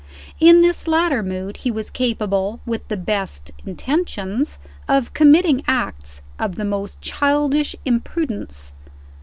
In this latter mood he was capable (with the best intentions) of committing acts of the most childish imprudence.